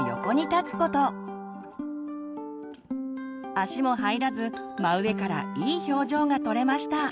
足も入らず真上からいい表情が撮れました。